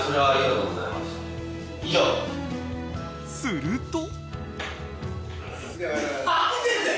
［すると］